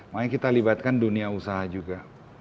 makanya kita libatkan dunia usaha juga